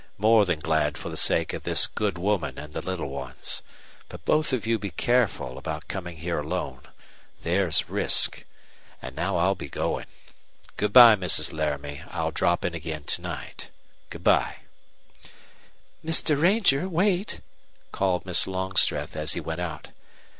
More than glad for the sake of this good woman and the little ones. But both of you be careful about coming here alone. There's risk. And now I'll be going. Good by, Mrs. Laramie. I'll drop in again to night. Good by." "Mr. Ranger, wait!" called Miss Longstreth, as he went out.